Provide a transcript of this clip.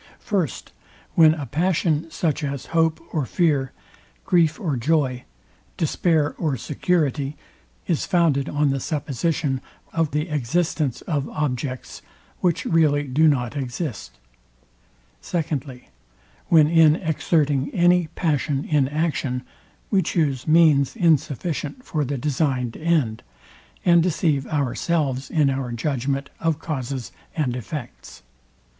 First, When a passion, such as hope or fear, grief or joy, despair or security, is founded on the supposition or the existence of objects, which really do not exist. Secondly, When in exerting any passion in action, we chuse means insufficient for the designed end, and deceive ourselves in our judgment of causes and effects.